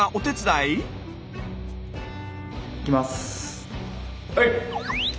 いきます。